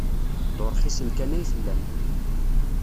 D urxisen kan ay tellam.